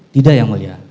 tidak yang mulia